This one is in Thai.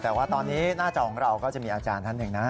แต่ว่าตอนนี้หน้าจอของเราก็จะมีอาจารย์ท่านหนึ่งนะ